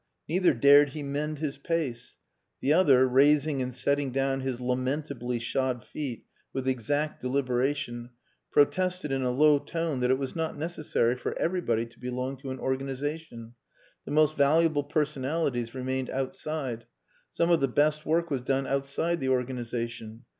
Neither dared he mend his pace. The other, raising and setting down his lamentably shod feet with exact deliberation, protested in a low tone that it was not necessary for everybody to belong to an organization. The most valuable personalities remained outside. Some of the best work was done outside the organization.